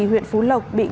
huyện phú lộc bị ngầm